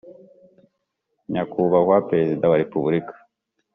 nyakubahwa perezida wa repubulika.